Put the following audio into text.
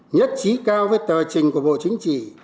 nhất trí cao với tờ trình của bộ chính trị